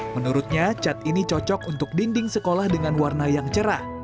menurutnya cat ini cocok untuk dinding sekolah dengan warna yang cerah